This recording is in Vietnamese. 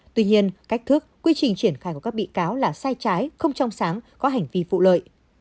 tuy nhiên cách thức quy trình triển khai của các bị cáo là sai trái không trong sáng có hành vi phụ lợi